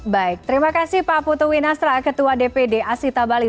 baik terima kasih pak putu winastra ketua dpd asita bali